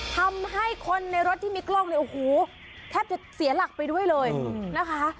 ทำให้คนในรถที่มีกล้องเนี่ยโอ้โหแทบจะเสียหลักไปด้วยเลยนะคะ